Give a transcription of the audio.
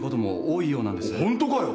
ホントかよ？